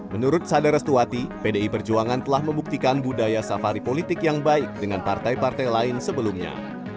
menurut sada restuati pdi perjuangan telah membuktikan budaya safari politik yang baik dengan partai partai lain sebelumnya